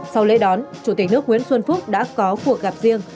sau lễ đón chủ tịch nước nguyễn xuân phúc đã có cuộc gặp riêng